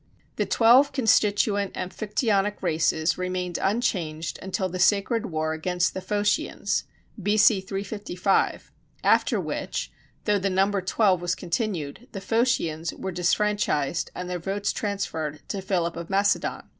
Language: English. The twelve constituent Amphictyonic races remained unchanged until the Sacred War against the Phocians (B.C. 355), after which, though the number twelve was continued, the Phocians were disfranchised, and their votes transferred to Philip of Macedon.